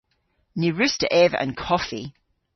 Ny wruss'ta eva an koffi.